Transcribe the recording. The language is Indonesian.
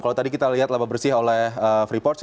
kalau tadi kita lihat laba bersih oleh freeport